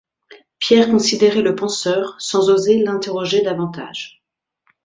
Pierre considérait le penseur sans oser l'interroger davantage.